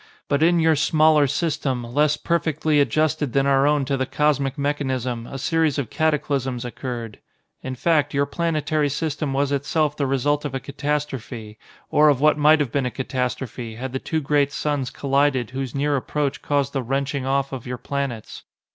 But in your smaller system, less perfectly adjusted than our own to the cosmic mechanism, a series of cataclysms occurred. In fact, your planetary system was itself the result of a catastrophe, or of what might have been a catastrophe, had the two great suns collided whose near approach caused the wrenching off of your planets.